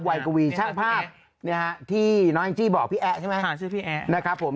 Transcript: วัยกวีช่างภาพนี่ฮะที่น้องแอ้งจี้บอกพี่แอ๊ะใช่ไหมนะครับผม